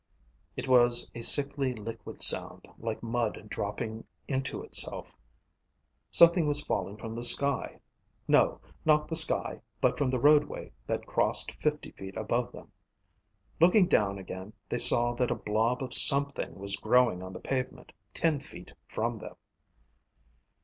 It was a sickly liquid sound, like mud dropping into itself. Something was falling from the sky. No, not the sky, but from the roadway that crossed fifty feet above them. Looking down again, they saw that a blob of something was growing on the pavement ten feet from them.